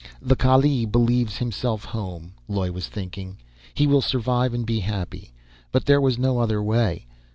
"The Kaalleee believes himself home," Loy was thinking. "He will survive and be happy. But there was no other way.